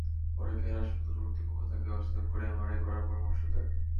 পরে কেয়ার হাসপাতাল কর্তৃপক্ষ তাকে অচেতন করে এমআরআই করার পরামর্শ দেয়।